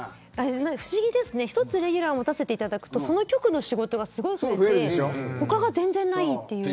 不思議ですね、１つレギュラーを持たせていただくとその局の仕事がすごい増えて他が全然ないっていう。